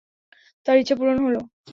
তাঁর ইচ্ছা পূর্ণ হল।